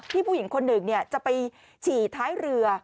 ผู้หญิงคนหนึ่งจะไปฉี่ท้ายเรือ